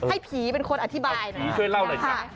ให้ภีรเป็นคนอธิบายหน่อย